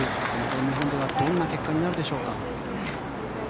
全日本ではどんな結果になるでしょうか。